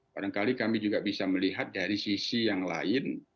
barangkali kami juga bisa melihat dari sisi yang lain